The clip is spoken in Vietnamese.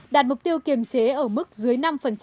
đạt mục tiêu kiềm chế ở mức dưới năm